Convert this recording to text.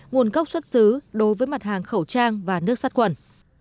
nguồn gốc xuất xứ đối với mặt hàng khẩu trang và nước sắt quần